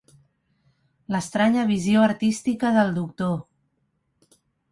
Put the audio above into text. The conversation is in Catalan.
L'estranya visió artística del doctor.